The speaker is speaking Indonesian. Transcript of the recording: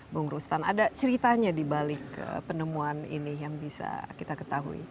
bung rustan ada ceritanya dibalik penemuan ini yang bisa kita ketahui